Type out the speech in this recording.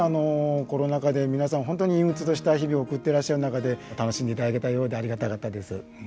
コロナ禍で皆さん本当に陰鬱とした日々を送ってらっしゃる中で楽しんでいただけたようでありがたかったです。